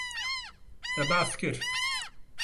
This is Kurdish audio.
Te behs kir.